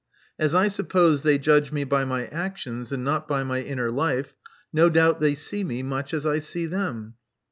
As I suppose they judge me by my actions and not by my inner life, no doubt they see me much as I see them.